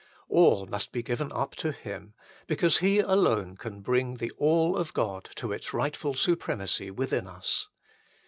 All must be given up to Him, because He alone can bring the all of God to its rightful supremacy within us.